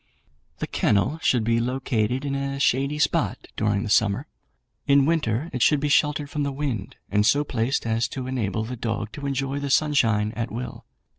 "The kennel should be located in a shady spot during the summer; in winter it should be sheltered from the wind, and so placed as to enable the dog to enjoy the sunshine at will.